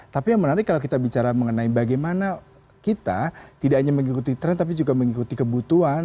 tapi yang menarik kalau kita bicara mengenai bagaimana kita tidak hanya mengikuti trend tapi juga mengikuti kebutuhan